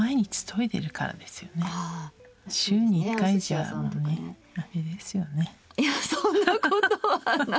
いやそんなことはない！